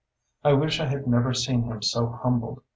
I wish I had never seen him so humbled.